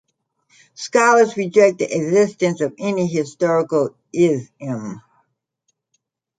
Scholars reject the existence of any historical Isim.